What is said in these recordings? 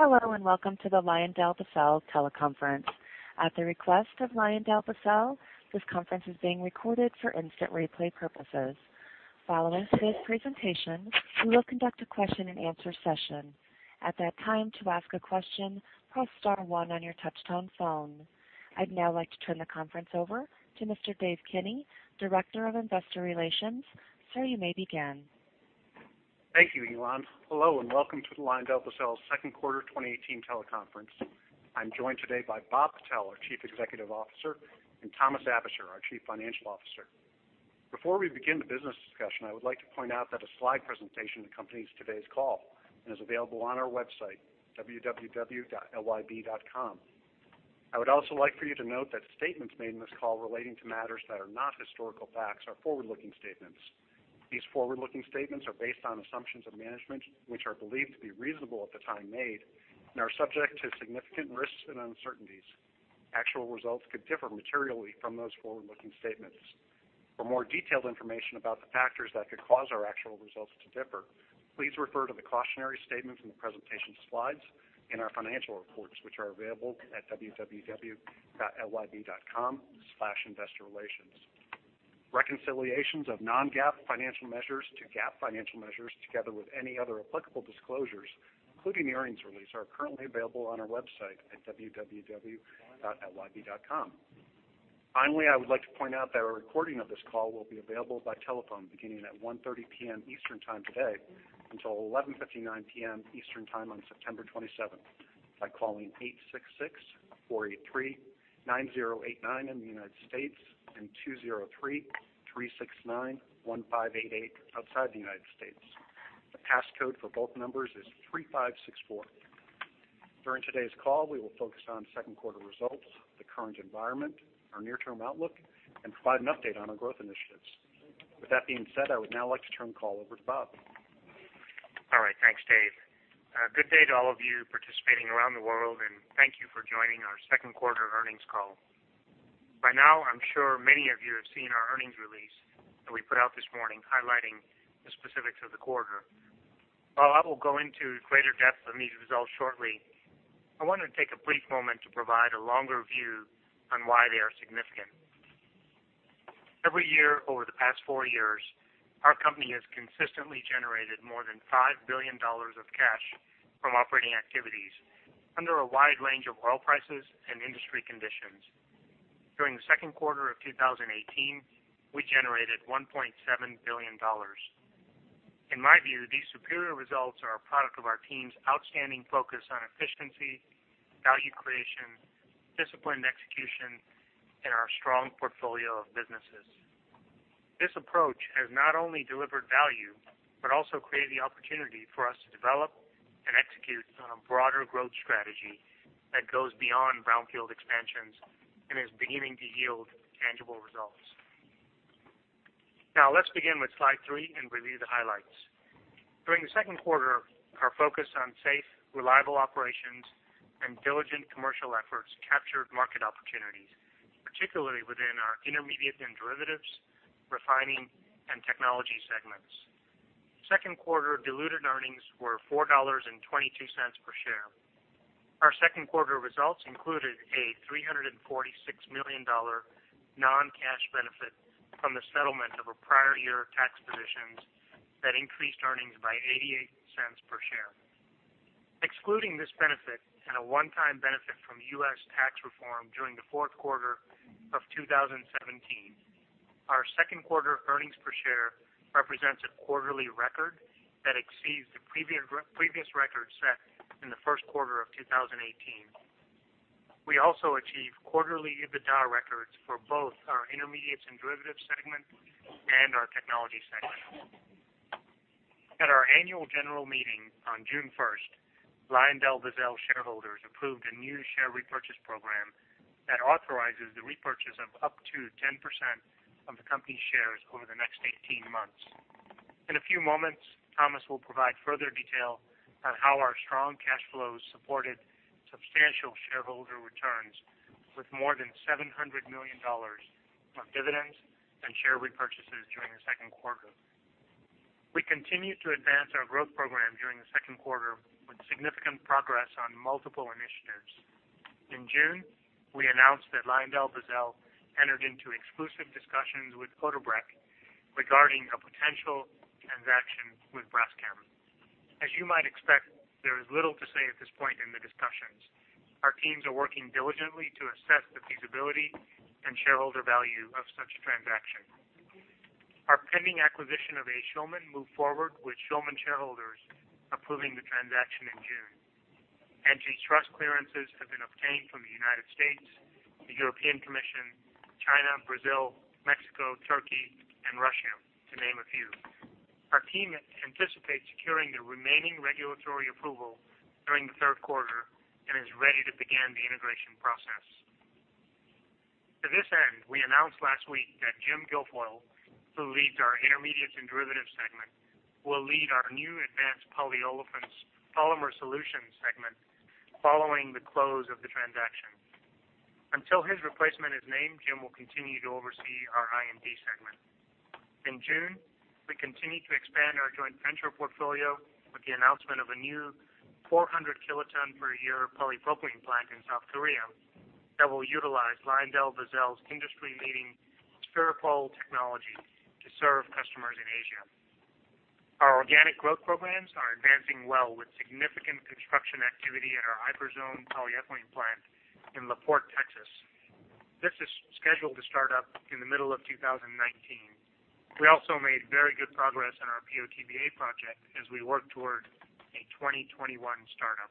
Hello, welcome to the LyondellBasell teleconference. At the request of LyondellBasell, this conference is being recorded for instant replay purposes. Following today's presentation, we will conduct a question and answer session. At that time, to ask a question, press star one on your touch-tone phone. I'd now like to turn the conference over to Mr. David Kinney, Director of Investor Relations. Sir, you may begin. Thank you, Elon. Hello, welcome to the LyondellBasell second quarter 2018 teleconference. I'm joined today by Bob Patel, our Chief Executive Officer, and Thomas Aebischer, our Chief Financial Officer. Before we begin the business discussion, I would like to point out that a slide presentation accompanies today's call and is available on our website, www.lyb.com. I would also like for you to note that statements made in this call relating to matters that are not historical facts are forward-looking statements. These forward-looking statements are based on assumptions of management, which are believed to be reasonable at the time made and are subject to significant risks and uncertainties. Actual results could differ materially from those forward-looking statements. For more detailed information about the factors that could cause our actual results to differ, please refer to the cautionary statements in the presentation slides in our financial reports, which are available at www.lyb.com/investorrelations. Reconciliations of non-GAAP financial measures to GAAP financial measures, together with any other applicable disclosures, including the earnings release, are currently available on our website at www.lyb.com. Finally, I would like to point out that a recording of this call will be available by telephone beginning at 1:30 P.M. Eastern Time today until 11:59 P.M. Eastern Time on September 27th by calling 866-483-9089 in the United States and 203-369-1588 outside the United States. The passcode for both numbers is 3564. During today's call, we will focus on second quarter results, the current environment, our near-term outlook, and provide an update on our growth initiatives. With that being said, I would now like to turn the call over to Bob. All right. Thanks, Dave. Good day to all of you participating around the world, and thank you for joining our second quarter earnings call. By now, I'm sure many of you have seen our earnings release that we put out this morning highlighting the specifics of the quarter. While I will go into greater depth on these results shortly, I want to take a brief moment to provide a longer view on why they are significant. Every year over the past four years, our company has consistently generated more than $5 billion of cash from operating activities under a wide range of oil prices and industry conditions. During the second quarter of 2018, we generated $1.7 billion. In my view, these superior results are a product of our team's outstanding focus on efficiency, value creation, disciplined execution, and our strong portfolio of businesses. This approach has not only delivered value, but also created the opportunity for us to develop and execute on a broader growth strategy that goes beyond brownfield expansions and is beginning to yield tangible results. Now let's begin with slide three and review the highlights. During the second quarter, our focus on safe, reliable operations and diligent commercial efforts captured market opportunities, particularly within our Intermediates and Derivatives, refining, and technology segments. Second quarter diluted earnings were $4.22 per share. Our second quarter results included a $346 million non-cash benefit from the settlement of our prior year tax positions that increased earnings by $0.88 per share. Excluding this benefit and a one-time benefit from U.S. tax reform during the fourth quarter of 2017, our second quarter earnings per share represents a quarterly record that exceeds the previous record set in the first quarter of 2018. We also achieved quarterly EBITDA records for both our Intermediates and Derivatives segment and our technology segment. At our annual general meeting on June 1st, LyondellBasell shareholders approved a new share repurchase program that authorizes the repurchase of up to 10% of the company's shares over the next 18 months. In a few moments, Thomas will provide further detail on how our strong cash flows supported substantial shareholder returns with more than $700 million of dividends and share repurchases during the second quarter. We continued to advance our growth program during the second quarter with significant progress on multiple initiatives. In June, we announced that LyondellBasell entered into exclusive discussions with Odebrecht regarding a potential transaction with Braskem. As you might expect, there is little to say at this point in the discussions. Our teams are working diligently to assess the feasibility and shareholder value of such a transaction. Our pending acquisition of A. Schulman moved forward with Schulman shareholders approving the transaction in June. Antitrust clearances have been obtained from the U.S., the European Commission, China, Brazil, Mexico, Turkey, and Russia, to name a few. Our team anticipates securing the remaining regulatory approval during the third quarter and is ready to begin the integration process. To this end, we announced last week that Jim Guilfoyle, who leads our Intermediates and Derivatives segment, will lead our new Advanced Polymer Solutions segment following the close of the transaction. Until his replacement is named, Jim will continue to oversee our I&D segment. In June, we continued to expand our joint venture portfolio with the announcement of a new 400-kiloton per year polypropylene plant in South Korea that will utilize LyondellBasell's industry-leading Spheripol technology to serve customers in Asia. Our organic growth programs are advancing well with significant construction activity at our Hyperzone polyethylene plant in La Porte, Texas. This is scheduled to start up in the middle of 2019. We also made very good progress on our PO/TBA project as we work toward a 2021 startup.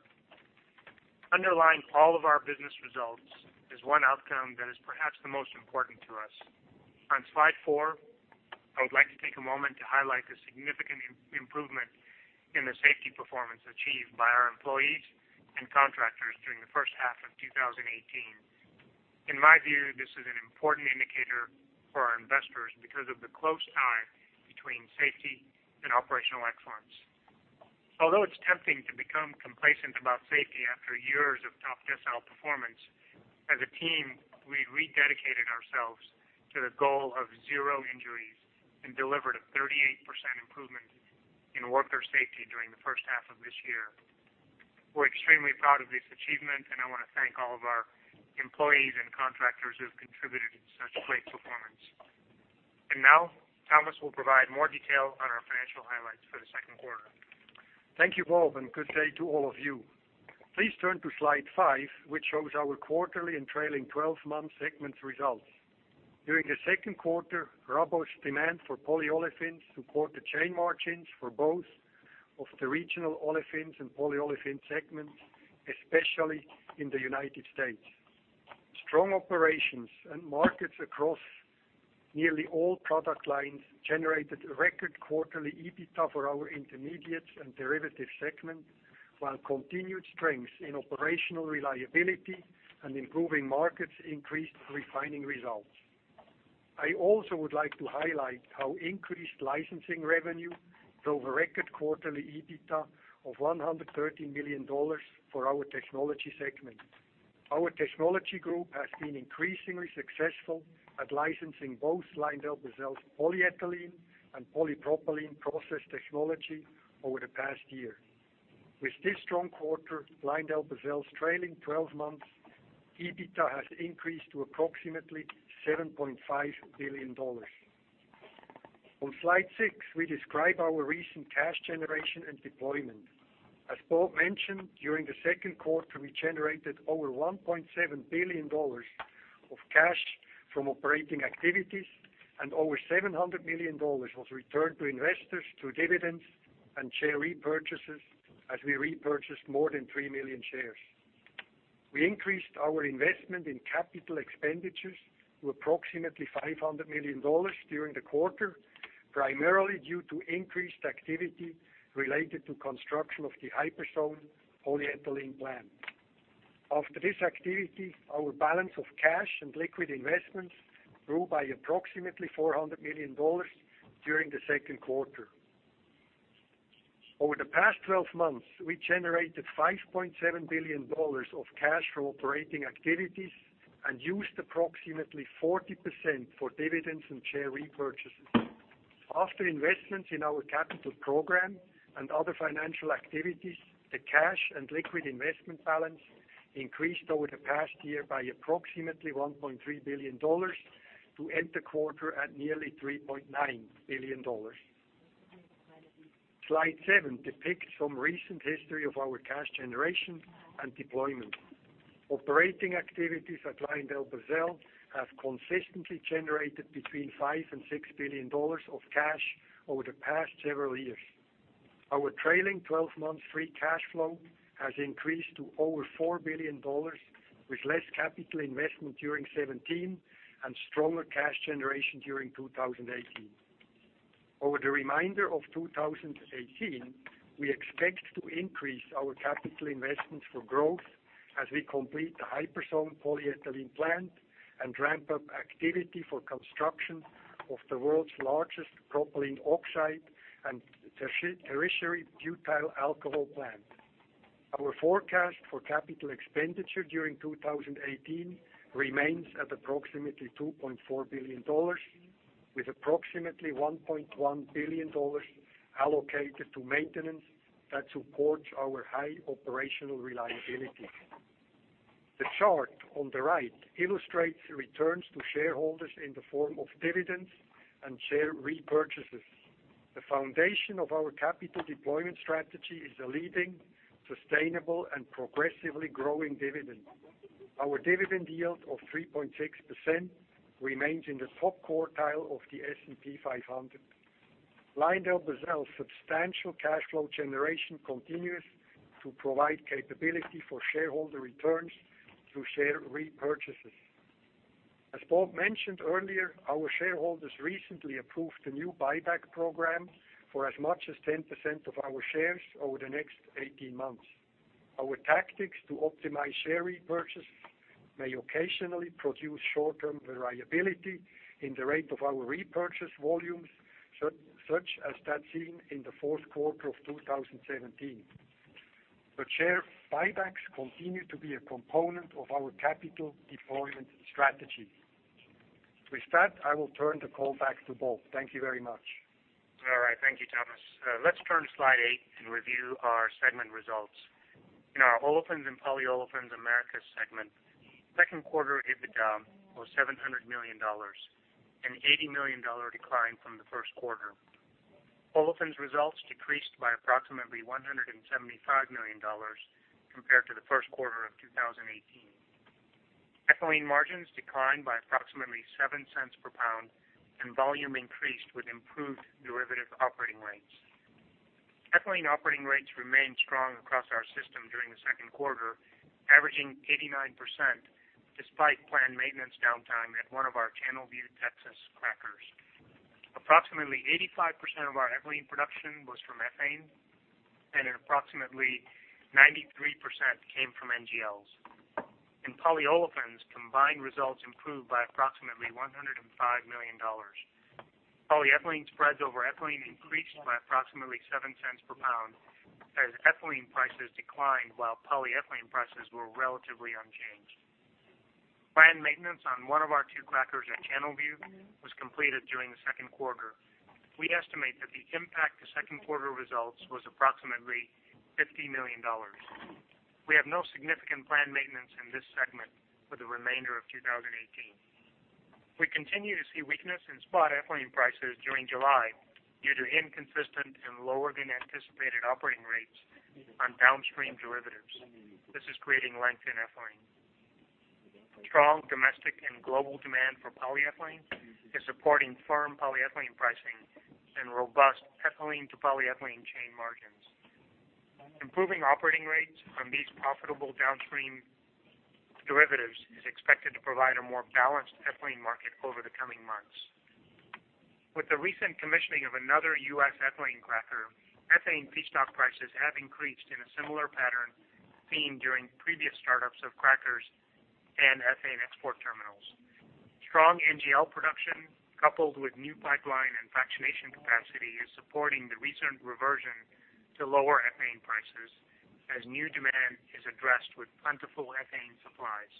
Underlying all of our business results is one outcome that is perhaps the most important to us. On slide four, I would like to take a moment to highlight the significant improvement in the safety performance achieved by our employees and contractors during the first half of 2018. In my view, this is an important indicator for our investors because of the close tie between safety and operational excellence. Although it's tempting to become complacent about safety after years of top-decile performance, as a team, we rededicated ourselves to the goal of zero injuries and delivered a 38% improvement in worker safety during the first half of this year. We're extremely proud of this achievement, I want to thank all of our employees and contractors who have contributed to such great performance. Now, Thomas will provide more detail on our financial highlights for the second quarter. Thank you, Bob, and good day to all of you. Please turn to Slide five, which shows our quarterly and trailing 12-month segments results. During the second quarter, robust demand for polyolefins supported chain margins for both of the regional Olefins and Polyolefins segments, especially in the United States. Strong operations and markets across nearly all product lines generated record quarterly EBITDA for our Intermediates and Derivatives segment, while continued strength in operational reliability and improving markets increased refining results. I also would like to highlight how increased licensing revenue drove a record quarterly EBITDA of $130 million for our technology segment. Our technology group has been increasingly successful at licensing both LyondellBasell's polyethylene and polypropylene process technology over the past year. With this strong quarter, LyondellBasell's trailing 12 months EBITDA has increased to approximately $7.5 billion. On Slide six, we describe our recent cash generation and deployment. As Bob mentioned, during the second quarter, we generated over $1.7 billion of cash from operating activities and over $700 million was returned to investors through dividends and share repurchases as we repurchased more than three million shares. We increased our investment in capital expenditures to approximately $500 million during the quarter, primarily due to increased activity related to construction of the Hyperzone polyethylene plant. After this activity, our balance of cash and liquid investments grew by approximately $400 million during the second quarter. Over the past 12 months, we generated $5.7 billion of cash from operating activities and used approximately 40% for dividends and share repurchases. After investments in our capital program and other financial activities, the cash and liquid investment balance increased over the past year by approximately $1.3 billion to end the quarter at nearly $3.9 billion. Slide seven depicts some recent history of our cash generation and deployment. Operating activities at LyondellBasell have consistently generated between $5 billion and $6 billion of cash over the past several years. Our trailing 12-month free cash flow has increased to over $4 billion with less capital investment during 2017 and stronger cash generation during 2018. Over the remainder of 2018, we expect to increase our capital investments for growth as we complete the Hyperzone polyethylene plant and ramp up activity for construction of the world's largest propylene oxide and tertiary butyl alcohol plant. Our forecast for capital expenditure during 2018 remains at approximately $2.4 billion, with approximately $1.1 billion allocated to maintenance that supports our high operational reliability. The chart on the right illustrates returns to shareholders in the form of dividends and share repurchases. The foundation of our capital deployment strategy is a leading, sustainable, and progressively growing dividend. Our dividend yield of 3.6% remains in the top quartile of the S&P 500. LyondellBasell's substantial cash flow generation continues to provide capability for shareholder returns through share repurchases. As Bob mentioned earlier, our shareholders recently approved a new buyback program for as much as 10% of our shares over the next 18 months. Our tactics to optimize share repurchase may occasionally produce short-term variability in the rate of our repurchase volumes, such as that seen in the fourth quarter of 2017. Share buybacks continue to be a component of our capital deployment strategy. With that, I will turn the call back to Bob. Thank you very much. All right. Thank you, Thomas. Let's turn to slide eight and review our segment results. In our Olefins & Polyolefins Americas segment, second quarter EBITDA was $700 million, an $80 million decline from the first quarter. Olefins results decreased by approximately $175 million compared to the first quarter of 2018. Ethylene margins declined by approximately $0.07 per pound, and volume increased with improved derivative operating rates. Ethylene operating rates remained strong across our system during the second quarter, averaging 89%, despite planned maintenance downtime at one of our Channelview, Texas crackers. Approximately 85% of our ethylene production was from ethane, and approximately 93% came from NGLs. In Polyolefins, combined results improved by approximately $105 million. Polyethylene spreads over ethylene increased by approximately $0.07 per pound as ethylene prices declined while polyethylene prices were relatively unchanged. Planned maintenance on one of our two crackers at Channelview was completed during the second quarter. We estimate that the impact to second quarter results was approximately $50 million. We have no significant planned maintenance in this segment for the remainder of 2018. We continue to see weakness in spot ethylene prices during July due to inconsistent and lower than anticipated operating rates on downstream derivatives. This is creating length in ethylene. Strong domestic and global demand for polyethylene is supporting firm polyethylene pricing and robust ethylene to polyethylene chain margins. Improving operating rates from these profitable downstream derivatives is expected to provide a more balanced ethylene market over the coming months. With the recent commissioning of another U.S. ethylene cracker, ethane feedstock prices have increased in a similar pattern seen during previous startups of crackers and ethane export terminals. Strong NGL production, coupled with new pipeline and fractionation capacity, is supporting the recent reversion to lower ethane prices as new demand is addressed with plentiful ethane supplies.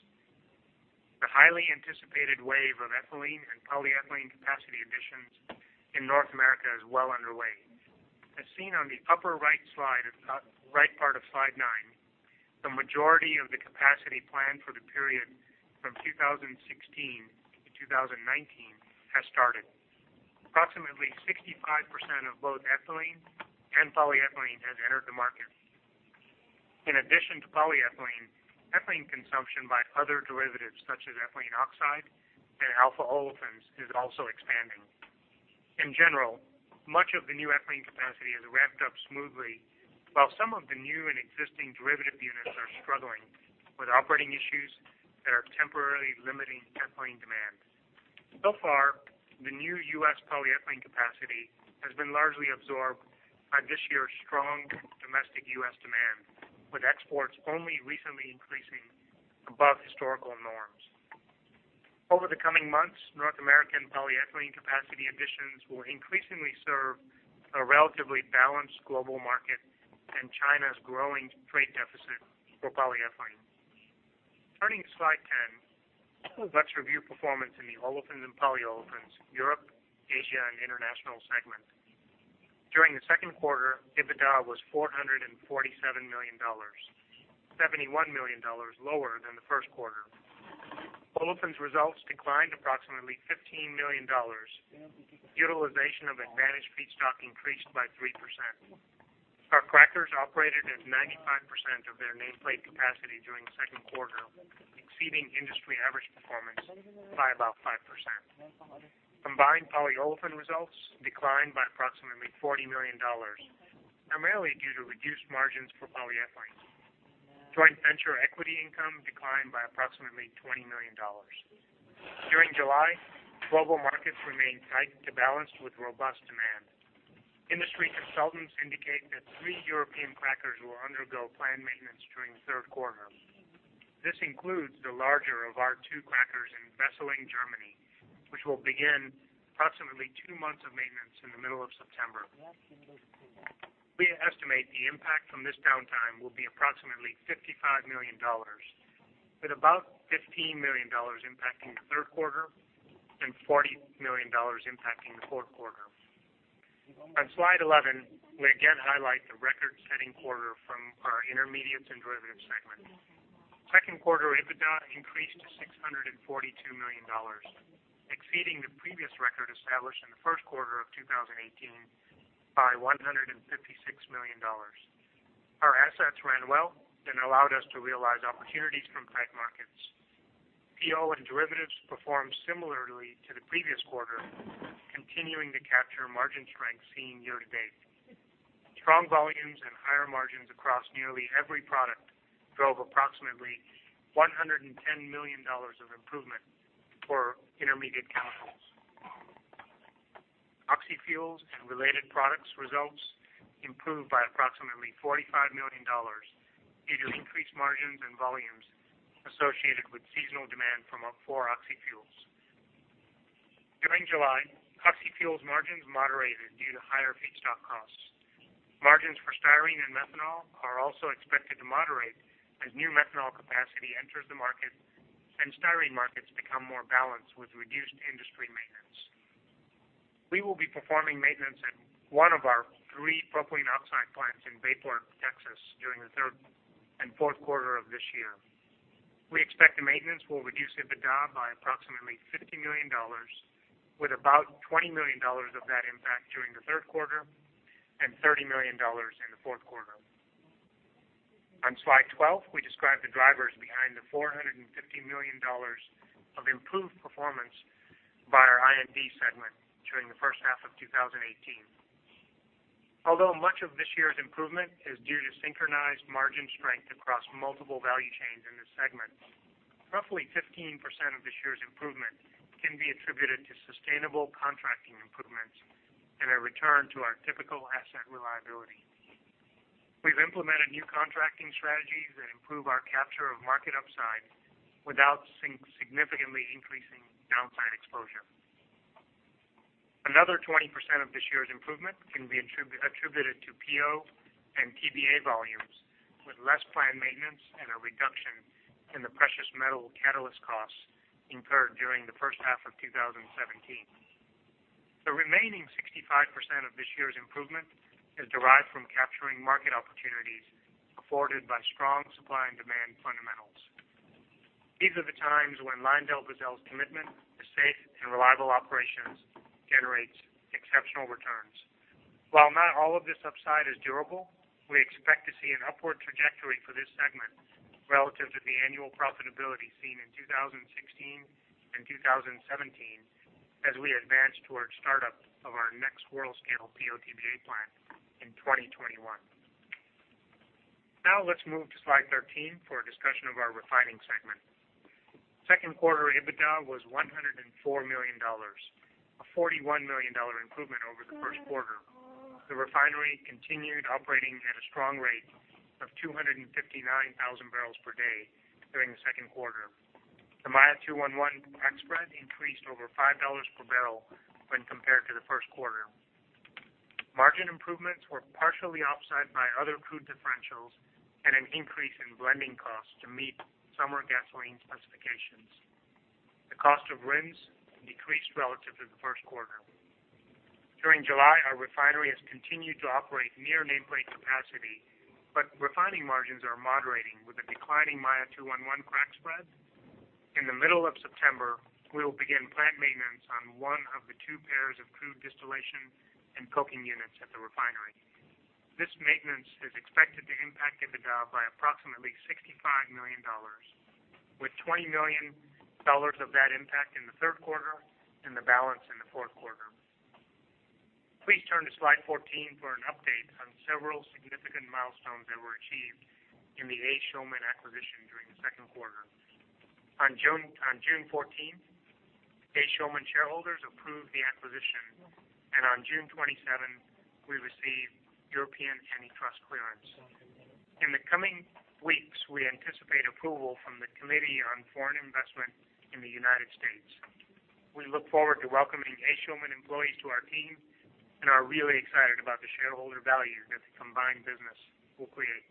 The highly anticipated wave of ethylene and polyethylene capacity additions in North America is well underway. As seen on the upper right part of slide nine, the majority of the capacity planned for the period from 2016 to 2019 has started. Approximately 65% of both ethylene and polyethylene has entered the market. In addition to polyethylene, ethylene consumption by other derivatives such as ethylene oxide and alpha olefins is also expanding. In general, much of the new ethylene capacity has ramped up smoothly, while some of the new and existing derivative units are struggling with operating issues that are temporarily limiting ethylene demand. So far, the new U.S. polyethylene capacity has been largely absorbed by this year's strong domestic U.S. demand, with exports only recently increasing above historical norms. Over the coming months, North American polyethylene capacity additions will increasingly serve a relatively balanced global market and China's growing trade deficit for polyethylene. Turning to slide 10. Let's review performance in the Olefins and Polyolefins – Europe, Asia, International segment. During the second quarter, EBITDA was $447 million, $71 million lower than the first quarter. olefins results declined approximately $15 million. Utilization of advantaged feedstock increased by 3%. Our crackers operated at 95% of their nameplate capacity during the second quarter, exceeding industry average performance by about 5%. Combined polyolefin results declined by approximately $40 million, primarily due to reduced margins for polyethylene. Joint venture equity income declined by approximately $20 million. During July, global markets remained tight to balanced with robust demand. Industry consultants indicate that three European crackers will undergo planned maintenance during the third quarter. This includes the larger of our two crackers in Wesseling, Germany, which will begin approximately two months of maintenance in the middle of September. We estimate the impact from this downtime will be approximately $55 million, with about $15 million impacting the third quarter and $40 million impacting the fourth quarter. On slide 11, we again highlight the record-setting quarter from our Intermediates and Derivatives segment. Second quarter EBITDA increased to $642 million, exceeding the previous record established in the first quarter of 2018 by $156 million. Our assets ran well and allowed us to realize opportunities from tight markets. PO and derivatives performed similarly to the previous quarter, continuing to capture margin strength seen year to date. Strong volumes and higher margins across nearly every product drove approximately $110 million of improvement for intermediate chemicals. Oxy fuels and related products results improved by approximately $45 million due to increased margins and volumes associated with seasonal demand for Oxy fuels. During July, Oxy fuels margins moderated due to higher feedstock costs. Margins for styrene and methanol are also expected to moderate as new methanol capacity enters the market and styrene markets become more balanced with reduced industry maintenance. We will be performing maintenance at one of our three propylene oxide plants in Bayport, Texas, during the third and fourth quarter of this year. We expect the maintenance will reduce EBITDA by approximately $50 million, with about $20 million of that impact during the third quarter and $30 million in the fourth quarter. On slide 12, we describe the drivers behind the $450 million of improved performance by our I&D segment during the first half of 2018. Although much of this year's improvement is due to synchronized margin strength across multiple value chains in this segment, roughly 15% of this year's improvement can be attributed to sustainable contracting improvements and a return to our typical asset reliability. We've implemented new contracting strategies that improve our capture of market upside without significantly increasing downside exposure. Another 20% of this year's improvement can be attributed to PO and TBA volumes with less plant maintenance and a reduction in the precious metal catalyst costs incurred during the first half of 2017. The remaining 65% of this year's improvement is derived from capturing market opportunities afforded by strong supply and demand fundamentals. These are the times when LyondellBasell's commitment to safe and reliable operations generates exceptional returns. While not all of this upside is durable, we expect to see an upward trajectory for this segment relative to the annual profitability seen in 2016 and 2017, as we advance towards startup of our next world-scale PO/TBA plant in 2021. Let's move to slide 13 for a discussion of our refining segment. Second quarter EBITDA was $104 million, a $41 million improvement over the first quarter. The refinery continued operating at a strong rate of 259,000 barrels per day during the second quarter. The Maya 2-1-1 crack spread increased over $5 per barrel when compared to the first quarter. Margin improvements were partially offset by other crude differentials and an increase in blending costs to meet summer gasoline specifications. The cost of RINs decreased relative to the first quarter. During July, our refinery has continued to operate near nameplate capacity, refining margins are moderating with a declining Maya 2-1-1 crack spread. In the middle of September, we'll begin plant maintenance on one of the two pairs of crude distillation and coking units at the refinery. This maintenance is expected to impact EBITDA by approximately $65 million, with $20 million of that impact in the third quarter and the balance in the fourth quarter. Please turn to slide 14 for an update on several significant milestones that were achieved in the A. Schulman acquisition during the second quarter. On June 14th, A. Schulman shareholders approved the acquisition, on June 27th, we received European antitrust clearance. In the coming weeks, we anticipate approval from the Committee on Foreign Investment in the United States. We look forward to welcoming A. Schulman. Schulman employees to our team and are really excited about the shareholder value that the combined business will create.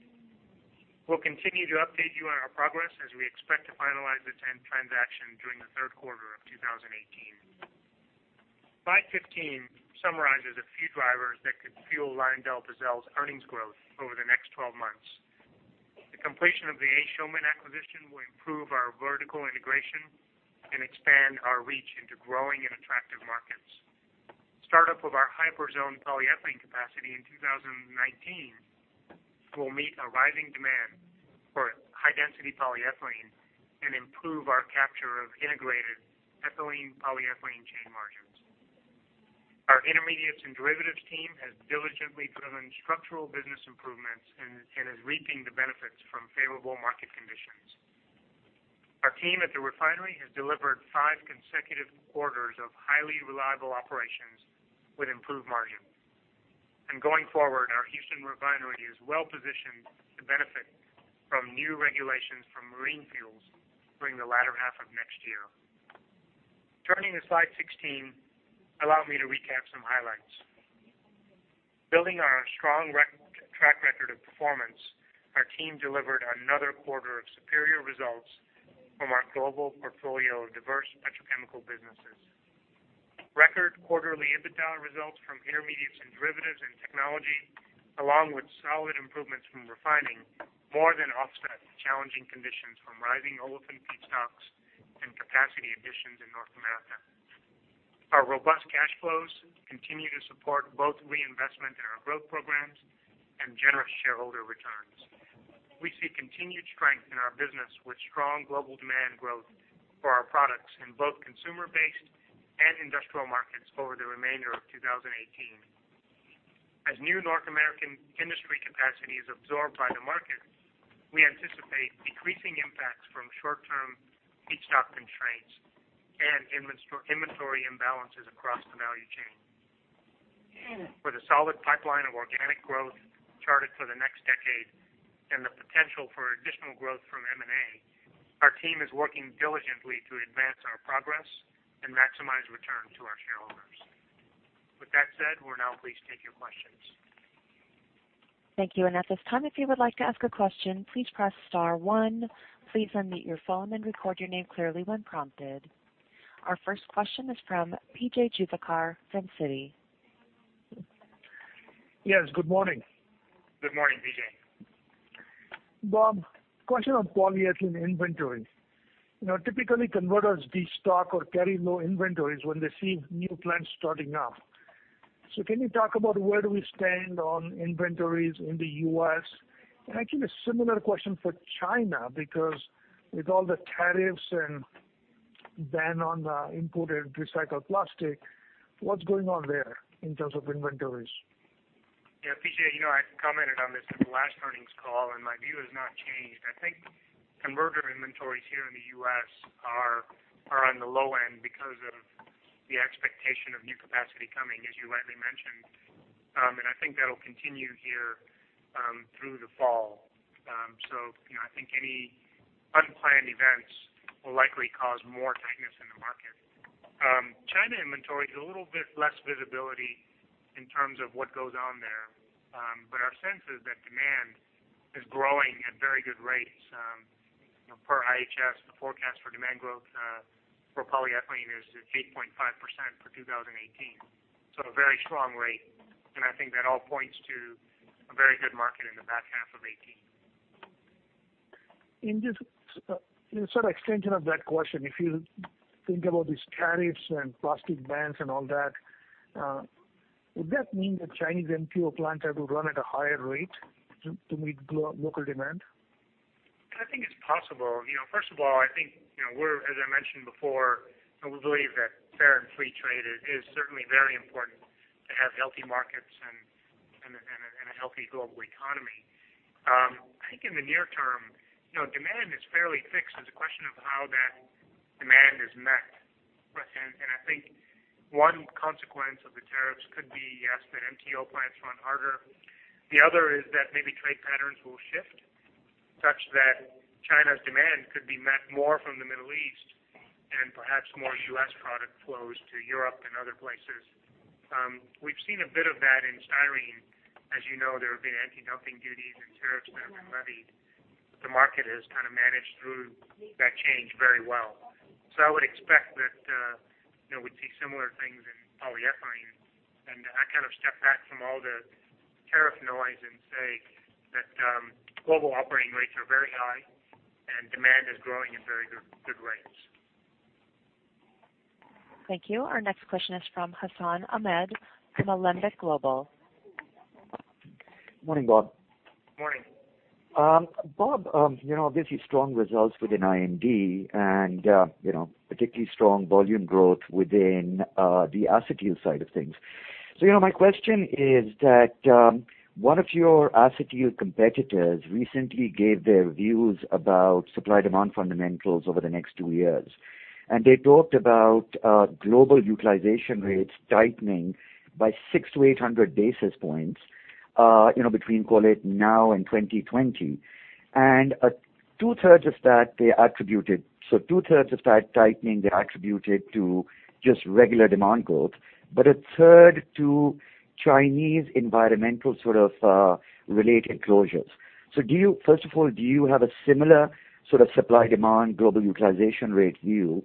We'll continue to update you on our progress as we expect to finalize the transaction during the third quarter of 2018. Slide 15 summarizes a few drivers that could fuel LyondellBasell's earnings growth over the next 12 months. The completion of the A. Schulman acquisition will improve our vertical integration and expand our reach into growing and attractive markets. Startup of our Hyperzone polyethylene capacity in 2019 will meet a rising demand for high-density polyethylene and improve our capture of integrated ethylene polyethylene chain margins. Our Intermediates and Derivatives team has diligently driven structural business improvements and is reaping the benefits from favorable market conditions. Our team at the refinery has delivered five consecutive quarters of highly reliable operations with improved margins. Going forward, our Houston refinery is well-positioned to benefit from new regulations for marine fuels during the latter half of next year. Turning to slide 16, allow me to recap some highlights. Building on our strong track record of performance, our team delivered another quarter of superior results from our global portfolio of diverse petrochemical businesses. Record quarterly EBITDA results from Intermediates and Derivatives and technology, along with solid improvements from refining, more than offset challenging conditions from rising olefin feedstocks and capacity additions in North America. Our robust cash flows continue to support both reinvestment in our growth programs and generous shareholder returns. We see continued strength in our business with strong global demand growth for our products in both consumer-based and industrial markets over the remainder of 2018. As new North American industry capacity is absorbed by the market, we anticipate decreasing impacts from short-term feedstock constraints and inventory imbalances across the value chain. With a solid pipeline of organic growth charted for the next decade growth from M&A. Our team is working diligently to advance our progress and maximize return to our shareholders. With that said, we'll now please take your questions. Thank you. At this time, if you would like to ask a question, please press star 1. Please unmute your phone and record your name clearly when prompted. Our first question is from P.J. from Citi. Yes, good morning. Good morning, PJ. Bob, question on polyethylene inventory. Typically, converters destock or carry low inventories when they see new plants starting up. Can you talk about where do we stand on inventories in the U.S.? A similar question for China, because with all the tariffs and ban on imported recycled plastic, what's going on there in terms of inventories? Yeah, PJ, I commented on this at the last earnings call, my view has not changed. I think converter inventories here in the U.S. are on the low end because of the expectation of new capacity coming, as you rightly mentioned. I think that'll continue here through the fall. I think any unplanned events will likely cause more tightness in the market. China inventory is a little bit less visibility in terms of what goes on there. Our sense is that demand is growing at very good rates. Per IHS, the forecast for demand growth for polyethylene is 8.5% for 2018. A very strong rate. I think that all points to a very good market in the back half of 2018. In sort of extension of that question, if you think about these tariffs and plastic bans and all that, would that mean that Chinese MTO plants have to run at a higher rate to meet local demand? I think it's possible. First of all, I think, as I mentioned before, we believe that fair and free trade is certainly very important to have healthy markets and a healthy global economy. I think in the near term, demand is fairly fixed. It's a question of how that demand is met. Right. I think one consequence of the tariffs could be, yes, that MTO plants run harder. The other is that maybe trade patterns will shift such that China's demand could be met more from the Middle East and perhaps more U.S. product flows to Europe and other places. We've seen a bit of that in styrene. As you know, there have been anti-dumping duties and tariffs that have been levied. The market has kind of managed through that change very well. I would expect that we'd see similar things in polyethylene. I kind of step back from all the tariff noise and say that global operating rates are very high, and demand is growing at very good rates. Thank you. Our next question is from Hassan Ahmed from Alembic Global. Morning, Bob. Morning. Bob, obviously strong results within I&D and particularly strong volume growth within the acetyl side of things. My question is that one of your acetyl competitors recently gave their views about supply-demand fundamentals over the next two years. They talked about global utilization rates tightening by 600 to 800 basis points, between call it now and 2020. Two-thirds of that they attributed to just regular demand growth, but a third to Chinese environmental sort of related closures. First of all, do you have a similar sort of supply-demand global utilization rate view?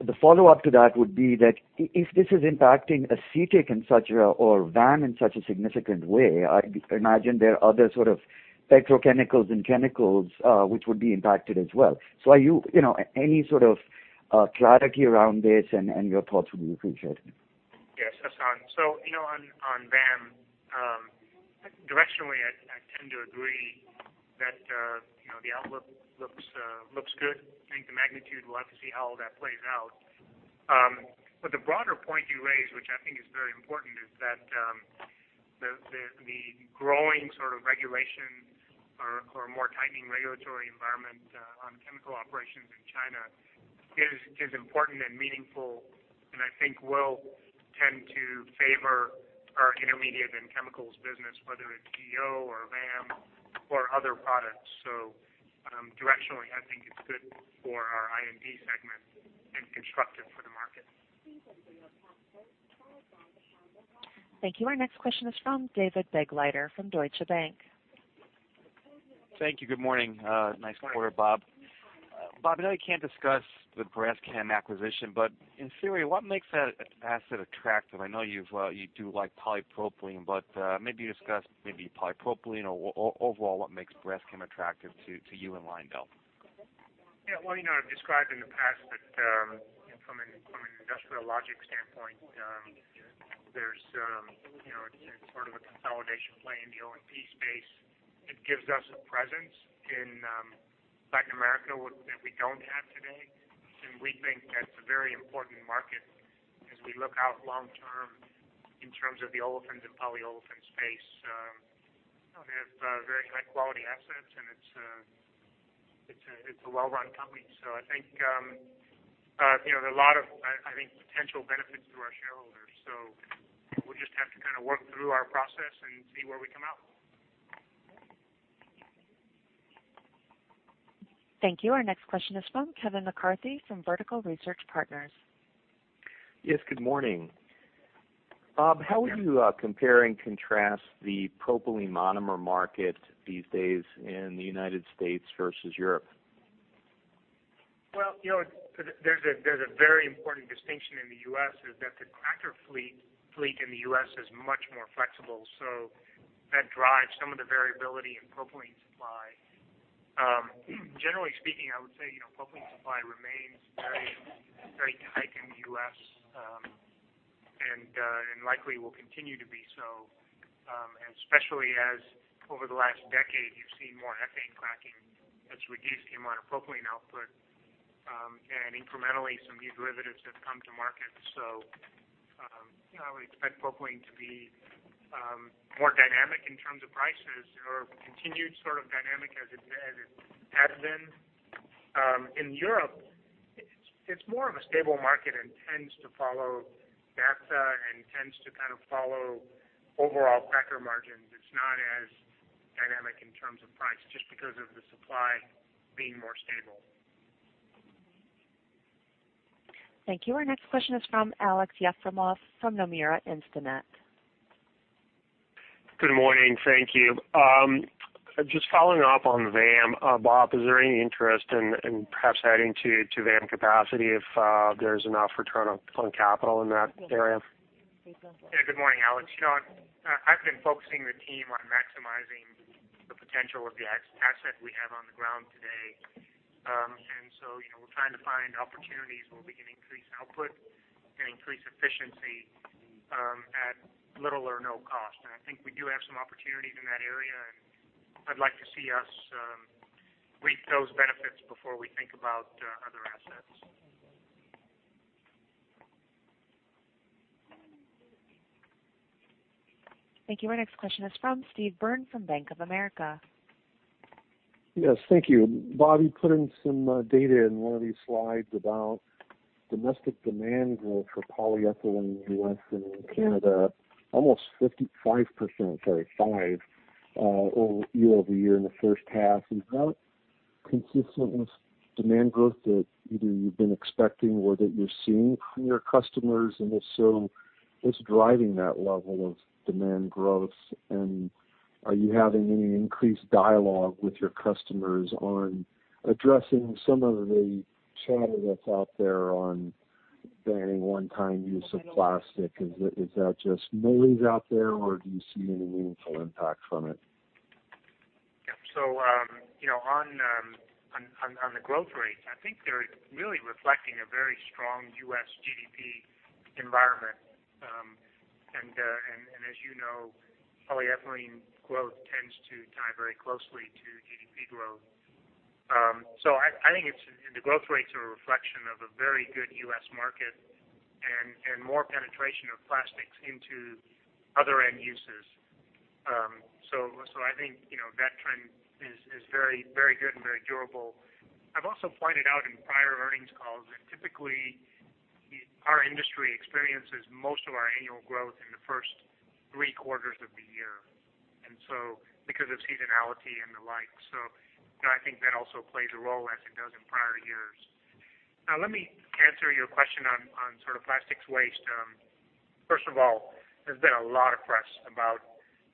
The follow-up to that would be that if this is impacting acetic or VAM in such a significant way, I imagine there are other sort of petrochemicals and chemicals which would be impacted as well. Any sort of clarity around this and your thoughts would be appreciated. Yes, Hassan. On VAM, directionally, I tend to agree that the outlook looks good. I think the magnitude, we'll have to see how all that plays out. The broader point you raise, which I think is very important, is that the growing sort of regulation or more tightening regulatory environment on chemical operations in China is important and meaningful and I think will tend to favor our intermediate and chemicals business, whether it's EO or VAM or other products. Directionally, I think it's good for our I&D segment and constructive for the market. Thank you. Our next question is from David Begleiter from Deutsche Bank. Thank you. Good morning. Nice quarter, Bob. Good morning. Bob, I know you can't discuss the Braskem acquisition, but in theory, what makes that asset attractive? I know you do like polypropylene, but maybe you discuss polypropylene or overall what makes Braskem attractive to you and Lyondell? Well, I've described in the past that from an industrial logic standpoint, it's sort of a consolidation play in the O&P space. It gives us a presence in Latin America that we don't have today. We think that's a very important market as we look out long term in terms of the olefins and polyolefins space. They have very high-quality assets, and it's a well-run company. I think there are a lot of potential benefits to our shareholders. We'll just have to work through our process and see where we come out. Thank you. Our next question is from Kevin McCarthy from Vertical Research Partners. Yes, good morning. Yes. Bob, how would you compare and contrast the propylene monomer market these days in the U.S. versus Europe? Well, there's a very important distinction in the U.S., is that the cracker fleet in the U.S. is much more flexible, so that drives some of the variability in propylene supply. Generally speaking, I would say, propylene supply remains very tight in the U.S., and likely will continue to be so. Especially as over the last decade, you've seen more ethane cracking that's reduced the amount of propylene output. Incrementally, some new derivatives have come to market. I would expect propylene to be more dynamic in terms of prices or continued sort of dynamic as it has been. In Europe, it's more of a stable market and tends to follow Naphtha and tends to follow overall cracker margins. It's not as dynamic in terms of price, just because of the supply being more stable. Thank you. Our next question is from Aleksey Yefremov from Nomura Instinet. Good morning. Thank you. Just following up on VAM. Bob, is there any interest in perhaps adding to VAM capacity if there's enough return on capital in that area? Yeah. Good morning, Alex. I've been focusing the team on maximizing the potential of the asset we have on the ground today. We're trying to find opportunities where we can increase output and increase efficiency, at little or no cost. I think we do have some opportunities in that area, and I'd like to see us reap those benefits before we think about other assets. Thank you. Our next question is from Steve Byrne from Bank of America. Yes. Thank you. Bob, you put in some data in one of these slides about domestic demand growth for polyethylene in the U.S. and in Canada. Almost 55%, sorry, 5, year-over-year in the first half. Is that consistent with demand growth that either you've been expecting or that you're seeing from your customers? If so, what's driving that level of demand growth, and are you having any increased dialogue with your customers on addressing some of the chatter that's out there on banning one-time use of plastic? Is that just noise out there, or do you see any meaningful impact from it? On the growth rates, I think they're really reflecting a very strong U.S. GDP environment. As you know, polyethylene growth tends to tie very closely to GDP growth. I think the growth rates are a reflection of a very good U.S. market and more penetration of plastics into other end uses. I think that trend is very good and very durable. I've also pointed out in prior earnings calls that typically our industry experiences most of our annual growth in the first three quarters of the year because of seasonality and the like. I think that also plays a role as it does in prior years. Let me answer your question on plastics waste. First of all, there's been a lot of press about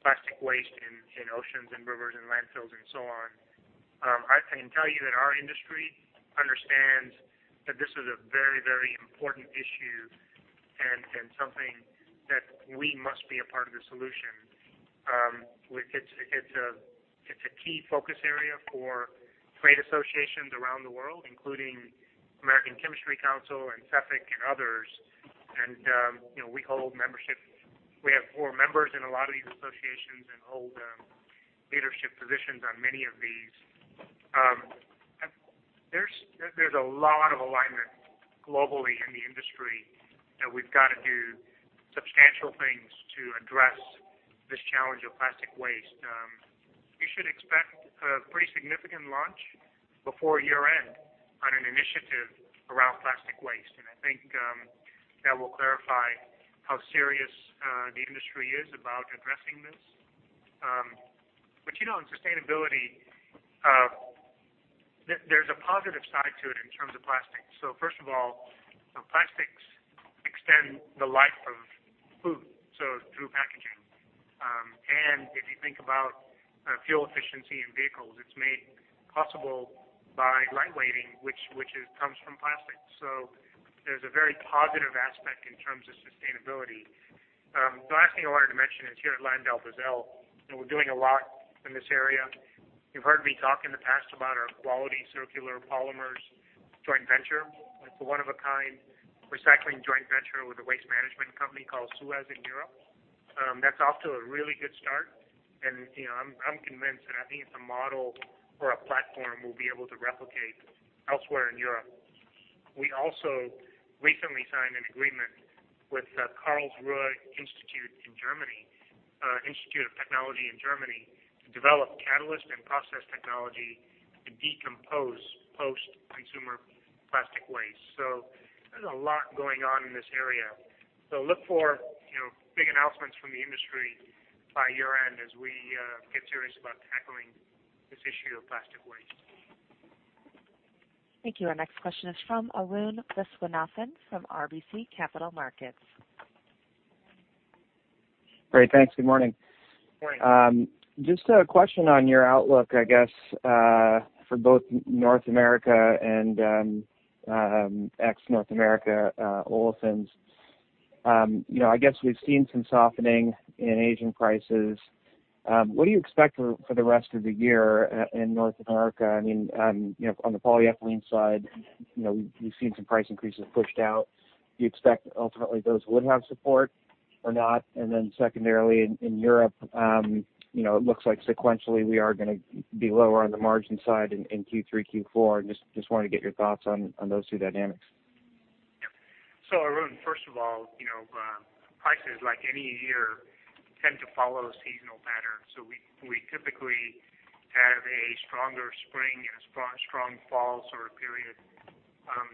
plastic waste in oceans and rivers and landfills and so on. I can tell you that our industry understands that this is a very important issue and something that we must be a part of the solution. It's a key focus area for trade associations around the world, including American Chemistry Council and Cefic and others. We have board members in a lot of these associations and hold leadership positions on many of these. There's a lot of alignment globally in the industry that we've got to do substantial things to address this challenge of plastic waste. You should expect a pretty significant launch before year-end on an initiative around plastic waste. I think that will clarify how serious the industry is about addressing this. On sustainability, there's a positive side to it in terms of plastics. First of all, plastics extend the life of food, so through packaging. If you think about fuel efficiency in vehicles, it's made possible by lightweighting, which comes from plastics. There's a very positive aspect in terms of sustainability. The last thing I wanted to mention is here at LyondellBasell, we're doing a lot in this area. You've heard me talk in the past about our Quality Circular Polymers joint venture. It's a one of a kind recycling joint venture with a waste management company called Suez in Europe. That's off to a really good start, and I'm convinced, and I think it's a model or a platform we'll be able to replicate elsewhere in Europe. We also recently signed an agreement with Karlsruhe Institute in Germany, Institute of Technology in Germany, to develop catalyst and process technology to decompose post-consumer plastic waste. There's a lot going on in this area. Look for big announcements from the industry by year-end as we get serious about tackling this issue of plastic waste. Thank you. Our next question is from Arun Viswanathan from RBC Capital Markets. Great. Thanks. Good morning. Morning. Just a question on your outlook, I guess, for both North America and ex North America olefins. I guess we've seen some softening in Asian prices. What do you expect for the rest of the year in North America? On the polyethylene side we've seen some price increases pushed out. Do you expect ultimately those would have support or not? Secondarily, in Europe, it looks like sequentially we are going to be lower on the margin side in Q3, Q4. I just wanted to get your thoughts on those two dynamics. Arun, first of all, prices, like any year, tend to follow a seasonal pattern. We typically have a stronger spring and a strong fall sort of period.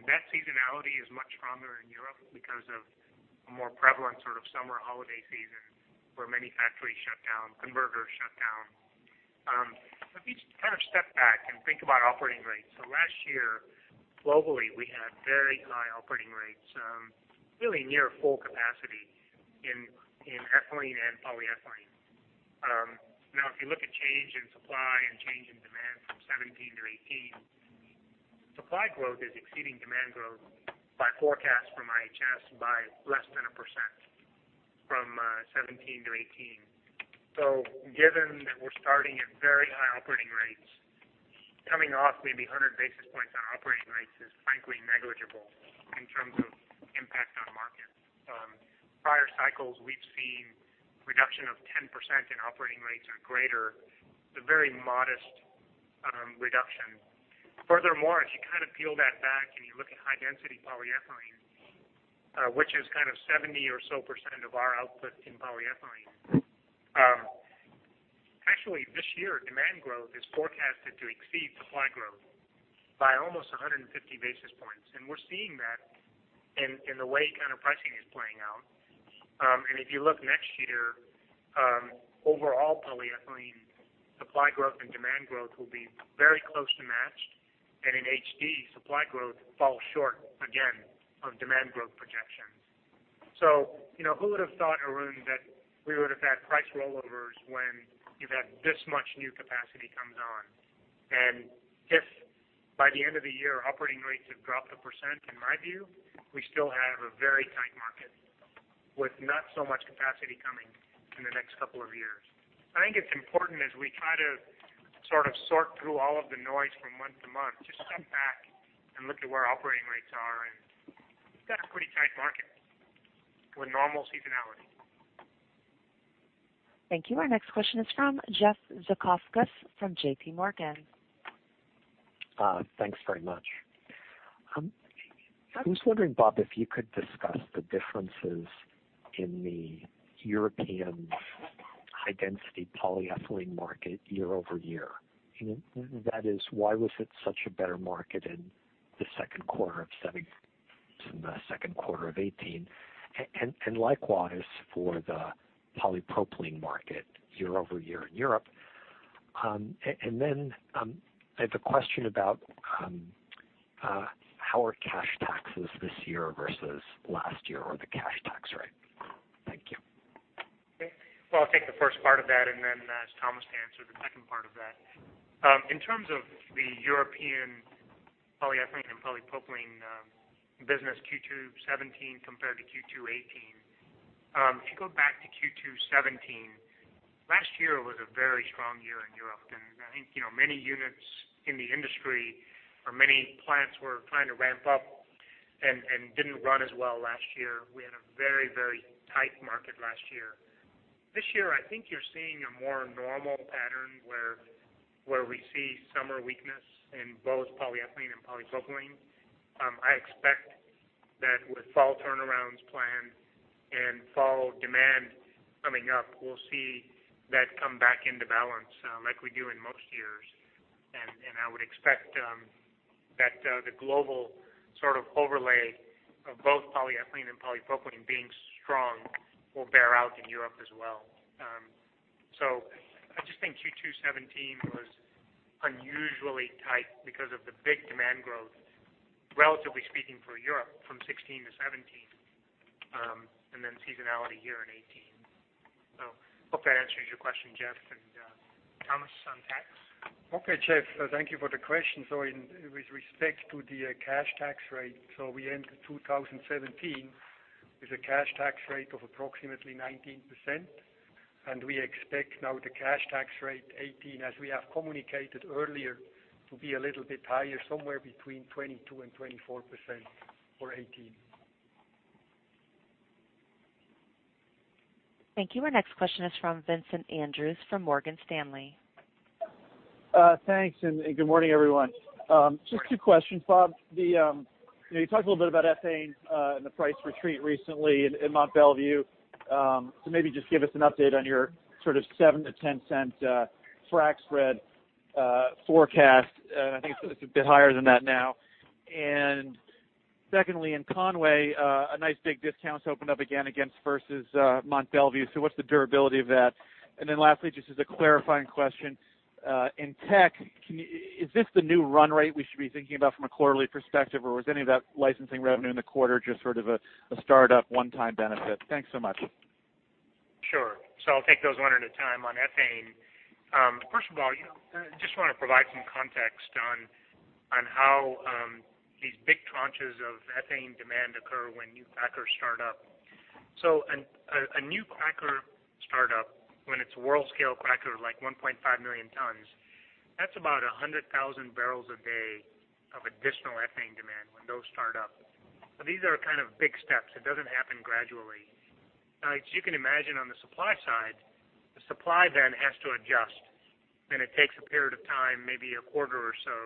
That seasonality is much stronger in Europe because of a more prevalent sort of summer holiday season where many factories shut down, converters shut down. If you just kind of step back and think about operating rates. Last year, globally, we had very high operating rates really near full capacity in ethylene and polyethylene. Now, if you look at change in supply and change in demand from 2017 to 2018, supply growth is exceeding demand growth by forecast from IHS by less than 1% from 2017 to 2018. Given that we're starting at very high operating rates, coming off maybe 100 basis points on operating rates is frankly negligible in terms of impact on markets. Prior cycles, we've seen reduction of 10% in operating rates or greater. It's a very modest reduction. Furthermore, if you kind of peel that back and you look at high density polyethylene which is kind of 70% or so of our output in polyethylene. Actually this year, demand growth is forecasted to exceed supply growth by almost 150 basis points. We're seeing that in the way pricing is playing out. If you look next year, overall polyethylene supply growth and demand growth will be very close to matched. In HD, supply growth falls short again of demand growth projections. Who would've thought, Arun, that we would've had price rollovers when you've had this much new capacity comes on. If by the end of the year operating rates have dropped 1%, in my view, we still have a very tight market with not so much capacity coming in the next couple of years. I think it's important as we try to sort of sort through all of the noise from month to month, just step back and look at where operating rates are. We've got a pretty tight market with normal seasonality. Thank you. Our next question is from Jeff Zekauskas from JPMorgan. Thanks very much. I was wondering, Bob, if you could discuss the differences in the European high density polyethylene market year-over-year. That is, why was it such a better market in the second quarter of 2017 than the second quarter of 2018? Likewise for the polypropylene market year-over-year in Europe. Then, I have a question about how are cash taxes this year versus last year or the cash tax rate? Thank you. Well, I'll take the first part of that. Then ask Thomas to answer the second part of that. In terms of the European polyethylene and polypropylene business Q2 2017 compared to Q2 2018. If you go back to Q2 2017, last year was a very strong year in Europe. I think many units in the industry or many plants were trying to ramp up and didn't run as well last year. We had a very tight market last year. This year, I think you're seeing a more normal pattern where we see summer weakness in both polyethylene and polypropylene. I expect that with fall turnarounds planned and fall demand coming up, we'll see that come back into balance like we do in most years. I would expect that the global sort of overlay of both polyethylene and polypropylene being strong will bear out in Europe as well. I just think Q2 2017 was unusually tight because of the big demand growth, relatively speaking, for Europe from 2016 to 2017. Then seasonality here in 2018. Hope that answers your question, Jeff. Thomas, on tax? Jeff. Thank you for the question. With respect to the cash tax rate, we end 2017 with a cash tax rate of approximately 19%. We expect now the cash tax rate 2018, as we have communicated earlier, to be a little bit higher, somewhere between 22% and 24% for 2018. Thank you. Our next question is from Vincent Andrews from Morgan Stanley. Thanks, good morning, everyone. Just two questions, Bob. You talked a little bit about ethane and the price retreat recently in Mont Belvieu. Maybe just give us an update on your sort of $0.07-$0.10 frac spread forecast. I think it's a bit higher than that now. Secondly, in Conway, a nice big discount has opened up again versus Mont Belvieu. What's the durability of that? Lastly, just as a clarifying question. In tech, is this the new run rate we should be thinking about from a quarterly perspective, or was any of that licensing revenue in the quarter just sort of a startup one-time benefit? Thanks so much. Sure. I'll take those one at a time. On ethane, first of all, I just want to provide some context on how these big tranches of ethane demand occur when new crackers start up. A new cracker startup, when it's a world-scale cracker like 1.5 million tons, that's about 100,000 barrels a day of additional ethane demand when those start up. These are kind of big steps. It doesn't happen gradually. As you can imagine on the supply side, the supply then has to adjust, and it takes a period of time, maybe a quarter or so,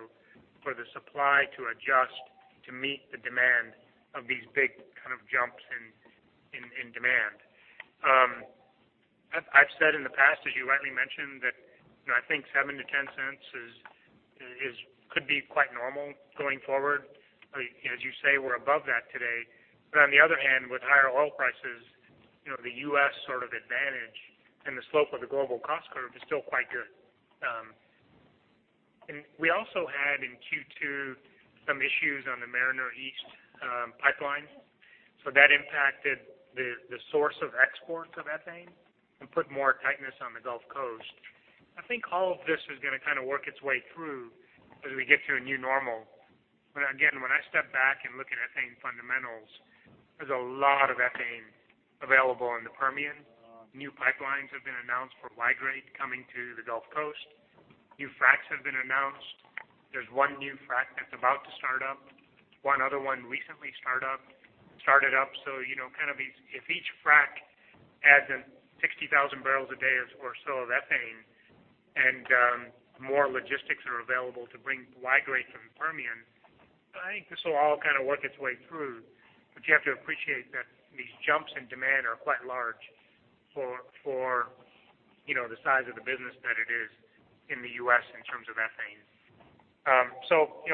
for the supply to adjust to meet the demand of these big kind of jumps in demand. I've said in the past, as you rightly mentioned, that I think $0.07-$0.10 could be quite normal going forward. As you say, we're above that today. On the other hand, with higher oil prices, the U.S. sort of advantage and the slope of the global cost curve is still quite good. We also had in Q2 some issues on the Mariner East pipeline. That impacted the source of exports of ethane and put more tightness on the Gulf Coast. I think all of this is going to kind of work its way through as we get to a new normal. Again, when I step back and look at ethane fundamentals, there's a lot of ethane available in the Permian. New pipelines have been announced for Y-grade coming to the Gulf Coast. New fracs have been announced. There's one new frac that's about to start up. One other one recently started up. If each frac adds in 60,000 barrels a day or so of ethane, and more logistics are available to bring Y-grade from Permian, I think this will all kind of work its way through. You have to appreciate that these jumps in demand are quite large for the size of the business that it is in the U.S. in terms of ethane.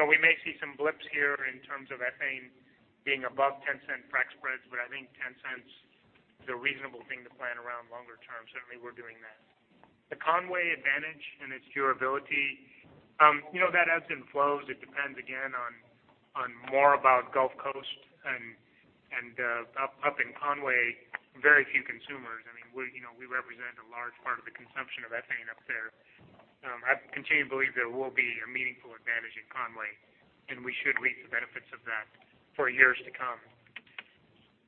We may see some blips here in terms of ethane being above $0.10 frac spreads, but I think $0.10 is a reasonable thing to plan around longer term. Certainly, we're doing that. The Conway advantage and its durability. That ebbs and flows. It depends, again, on more about Gulf Coast and up in Conway, very few consumers. We represent a large part of the consumption of ethane up there. I continue to believe there will be a meaningful advantage in Conway, and we should reap the benefits of that for years to come.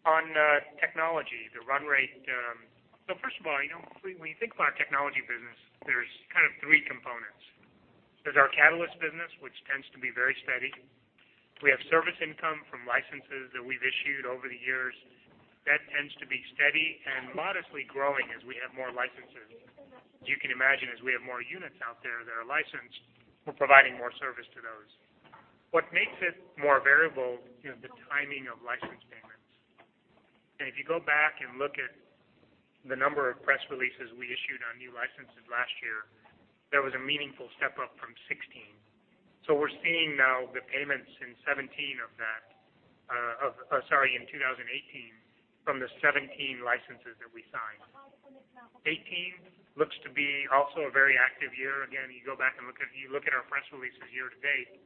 On technology, the run rate. First of all, when you think about our technology business, there's three components. There's our catalyst business, which tends to be very steady. We have service income from licenses that we've issued over the years. That tends to be steady and modestly growing as we have more licenses. You can imagine as we have more units out there that are licensed, we're providing more service to those. What makes it more variable, the timing of license payments. If you go back and look at the number of press releases we issued on new licenses last year, there was a meaningful step-up from 2016. We're seeing now the payments in 2018 from the 2017 licenses that we signed. 2018 looks to be also a very active year. Again, you go back and you look at our press releases year to date,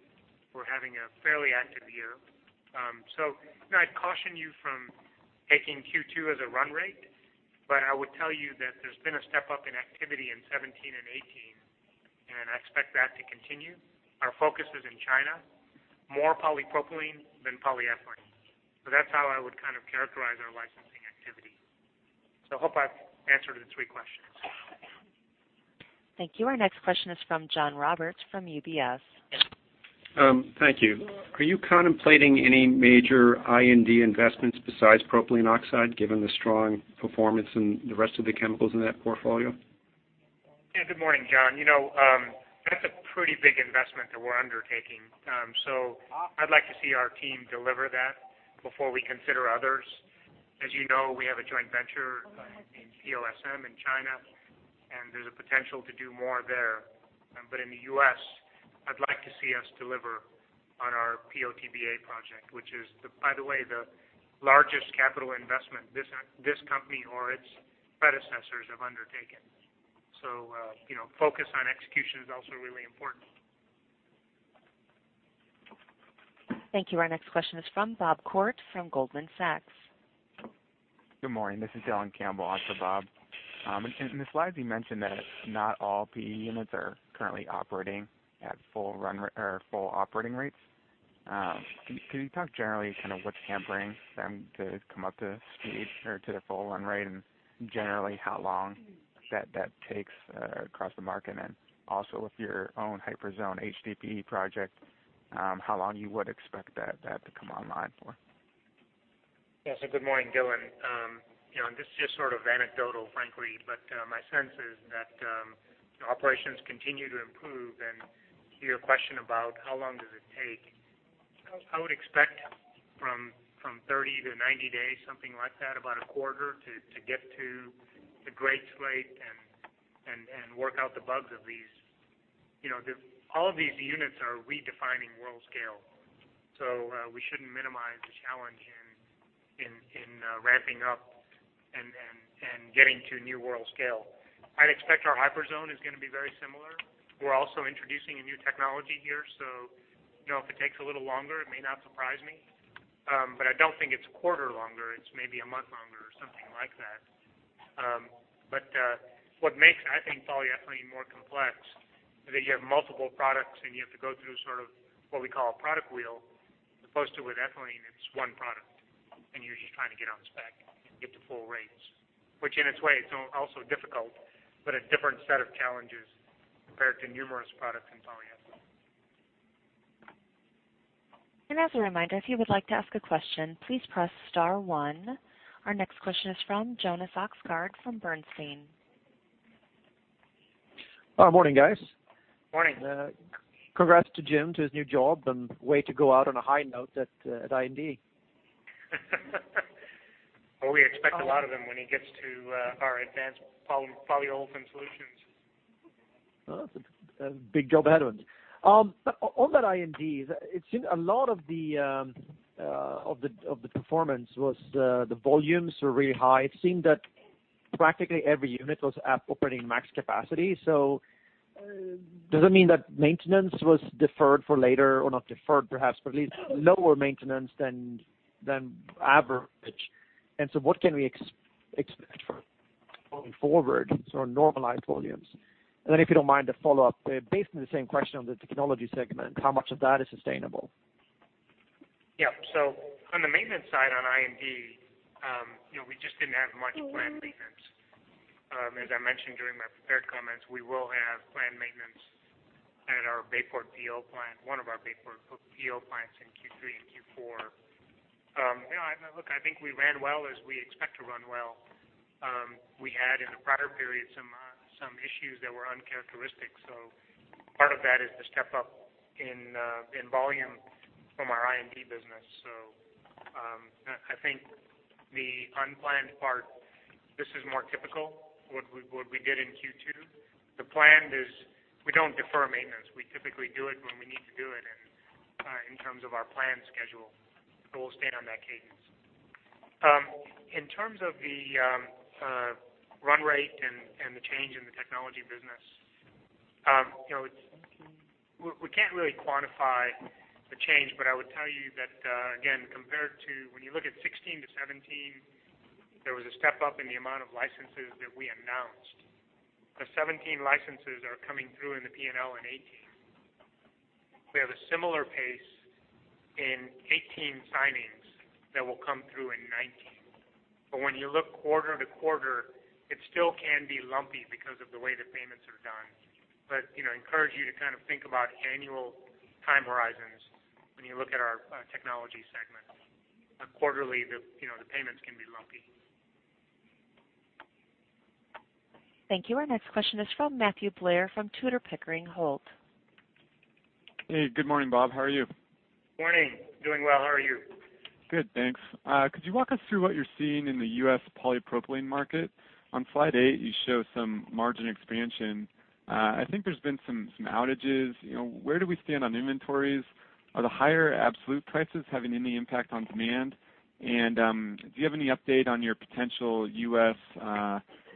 we're having a fairly active year. I'd caution you from taking Q2 as a run rate, but I would tell you that there's been a step-up in activity in 2017 and 2018, and I expect that to continue. Our focus is in China, more polypropylene than polyolefin. That's how I would characterize our licensing activity. Hope I've answered the three questions. Thank you. Our next question is from John Roberts from UBS. Thank you. Are you contemplating any major I&D investments besides propylene oxide, given the strong performance in the rest of the chemicals in that portfolio? Good morning, John. That's a pretty big investment that we're undertaking. I'd like to see our team deliver that before we consider others. As you know, we have a joint venture in PO/SM in China, and there's a potential to do more there. In the U.S., I'd like to see us deliver on our PO/TBA project, which is, by the way, the largest capital investment this company or its predecessors have undertaken. Focus on execution is also really important. Thank you. Our next question is from Bob Koort from Goldman Sachs. Good morning. This is Dylan Campbell on for Bob. In the slides, you mentioned that not all PE units are currently operating at full operating rates. Can you talk generally kind of what's hampering them to come up to speed or to their full run rate, and generally, how long? That takes across the market. Also with your own Hyperzone HDPE project, how long you would expect that to come online for? Good morning, Dylan. This is just sort of anecdotal, frankly, but my sense is that operations continue to improve. To your question about how long does it take, I would expect from 30 to 90 days, something like that, about a quarter to get to the grade slate and work out the bugs of these. All of these units are redefining world scale. We shouldn't minimize the challenge in ramping up and getting to new world scale. I'd expect our Hyperzone is going to be very similar. We're also introducing a new technology here, so if it takes a little longer, it may not surprise me. I don't think it's a quarter longer. It's maybe a month longer or something like that. What makes, I think, polyethylene more complex is that you have multiple products, and you have to go through sort of what we call a product wheel. Opposed to with ethylene, it's one product, and you're just trying to get on spec and get to full rates. In its way, it's also difficult, but a different set of challenges compared to numerous products in polyethylene. As a reminder, if you would like to ask a question, please press star one. Our next question is from Jonas Oxgaard from Bernstein. Morning, guys. Morning. Congrats to Jim, to his new job, way to go out on a high note at I&D. We expect a lot of him when he gets to our Advanced Polymer Solutions. That's a big job ahead of him. On that I&D, it seemed a lot of the performance was the volumes were really high. It seemed that practically every unit was operating max capacity. Does it mean that maintenance was deferred for later, or not deferred perhaps, but at least lower maintenance than average? What can we expect for going forward, sort of normalized volumes? Then if you don't mind, a follow-up, basically the same question on the technology segment. How much of that is sustainable? On the maintenance side, on I&D, we just didn't have much planned maintenance. As I mentioned during my prepared comments, we will have planned maintenance at our Bayport PO plant, one of our Bayport PO plants in Q3 and Q4. Look, I think we ran well as we expect to run well. We had, in the prior period, some issues that were uncharacteristic. Part of that is the step-up in volume from our I&D business. I think the unplanned part, this is more typical, what we did in Q2. The planned is we don't defer maintenance. We typically do it when we need to do it in terms of our plan schedule. We'll stay on that cadence. In terms of the run rate and the change in the technology business, we can't really quantify the change. I would tell you that, again, compared to when you look at 2016 to 2017, there was a step-up in the amount of licenses that we announced. Those 2017 licenses are coming through in the P&L in 2018. We have a similar pace in 2018 signings that will come through in 2019. When you look quarter to quarter, it still can be lumpy because of the way the payments are done. Encourage you to kind of think about annual time horizons when you look at our technology segment. Quarterly, the payments can be lumpy. Thank you. Our next question is from Matthew Blair from Tudor, Pickering, Holt & Co. Hey. Good morning, Bob. How are you? Morning. Doing well. How are you? Good, thanks. Could you walk us through what you're seeing in the U.S. polypropylene market? On slide eight, you show some margin expansion. I think there's been some outages. Where do we stand on inventories? Are the higher absolute prices having any impact on demand? Do you have any update on your potential U.S.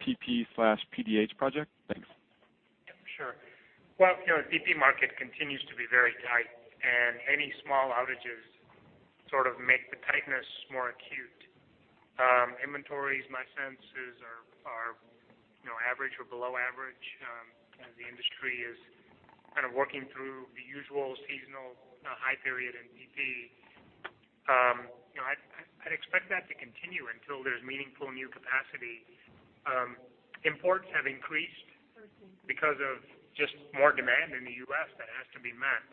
PP/PDH project? Thanks. Yeah, sure. Well, the PP market continues to be very tight, and any small outages sort of make the tightness more acute. Inventories, my sense, are average or below average as the industry is kind of working through the usual seasonal high period in PP. I'd expect that to continue until there's meaningful new capacity. Imports have increased because of just more demand in the U.S. that has to be met.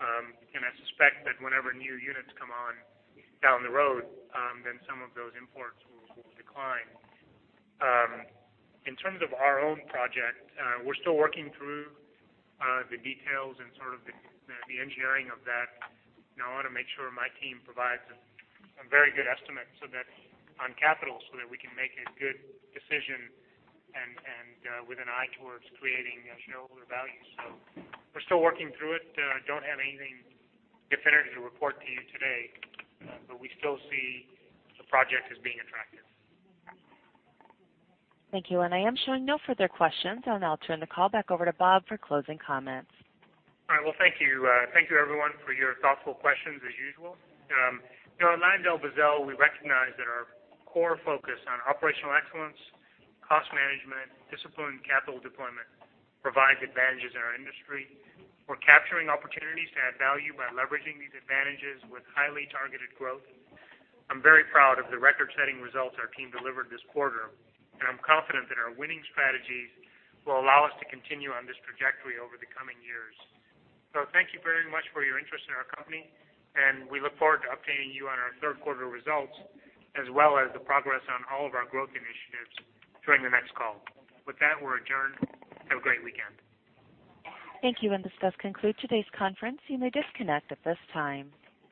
I suspect that whenever new units come on down the road, then some of those imports will decline. In terms of our own project, we're still working through the details and sort of the engineering of that. I want to make sure my team provides a very good estimate on capital so that we can make a good decision and with an eye towards creating shareholder value. We're still working through it. Don't have anything definitive to report to you today. We still see the project as being attractive. Thank you. I am showing no further questions. I'll now turn the call back over to Bob for closing comments. All right. Well, thank you. Thank you everyone for your thoughtful questions as usual. At LyondellBasell, we recognize that our core focus on operational excellence, cost management, discipline, and capital deployment provides advantages in our industry. We're capturing opportunities to add value by leveraging these advantages with highly targeted growth. I'm very proud of the record-setting results our team delivered this quarter, I'm confident that our winning strategies will allow us to continue on this trajectory over the coming years. Thank you very much for your interest in our company, we look forward to updating you on our third quarter results, as well as the progress on all of our growth initiatives during the next call. With that, we're adjourned. Have a great weekend. Thank you. This does conclude today's conference. You may disconnect at this time.